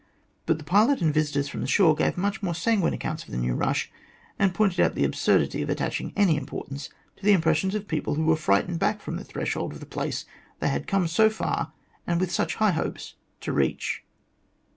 But the pilot and visitors from the shore gave much more sanguine accounts of the " new rush," and pointed out the absurdity of attaching any importance to the impressions of people who were frightened back from the threshold of the place they had come so far, and with such high hopes, to reach.